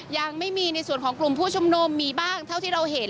ยังไม่มีในส่วนของกลุ่มผู้ชุมนุมมีบ้างเท่าที่เราเห็น